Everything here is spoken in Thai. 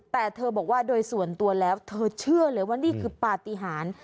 แต่เธอบอกว่าโดยส่วนตัวแล้วเธอเชื่อเลยว่านี่คือปฏิหาร